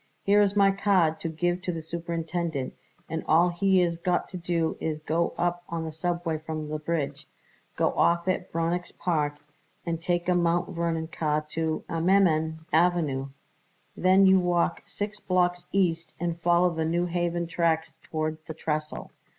"Here is my card to give to the superintendent, and all he is got to do is to go up on the subway from the bridge. Get off at Bronix Park and take a Mount Vernon car to Ammerman Avenue. Then you walk six blocks east and follow the New Haven tracks toward the trestle.